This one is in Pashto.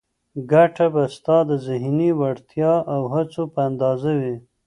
ګټه به ستا د ذهني وړتیا او هڅو په اندازه وي.